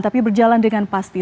tapi berjalan dengan pasti